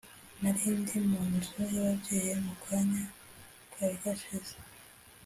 narindi mu nzu y’ababyeyi mu kanya kari gashize